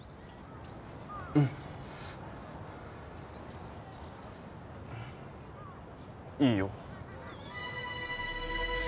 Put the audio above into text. うんいいよ